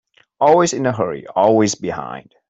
Always in a hurry, always behind.